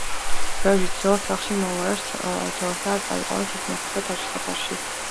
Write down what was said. ჟორჟი ცდილობს, სახლში მოუაროს ცოლს და არ წაიყვანოს ის მოხუცთა თავშესაფარში.